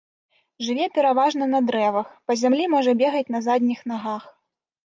Жыве пераважна на дрэвах, па зямлі можа бегаць на задніх нагах.